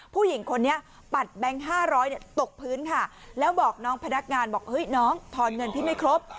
ผู้หญิงคนนี้ปัดแบงค์๕๐๐ตกพื้นค่ะแล้วบอกน้องพนักงานบอกเฮ้ยน้องทอนเงินพี่ไม่ครบ